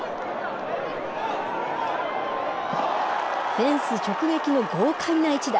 フェンス直撃の豪快な一打。